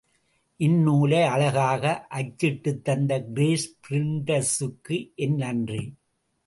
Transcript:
இந்நூலை அழகாக அச்சிட்டுத்தந்த கிரேஸ் பிரிண்டர்சுக்கு என் நன்றி.